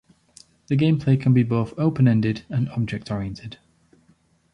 The gameplay can be both open-ended or object-oriented.